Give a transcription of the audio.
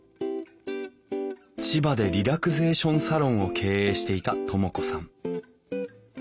千葉でリラクゼーションサロンを経営していた智子さん。